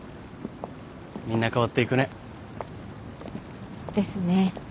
みんな変わっていくね。ですね。